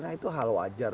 nah itu hal wajar